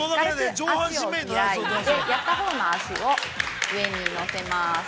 ◆軽く脚を開いてやったほうの脚を上にのせます。